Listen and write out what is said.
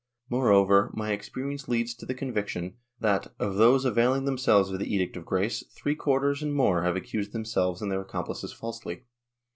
Moreover, my experience leads to the con viction that, of those availing themselves of the Edict of Grace, three quarters and more have accused themselves and their accomplices falsely.